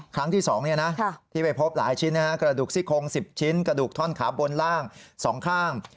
ครั้งที่๒ที่ไปพบหลายชิ้นกระดูกซี่โครง๑๐ชิ้นกระดูกท่อนขาบนล่าง๒ข้าง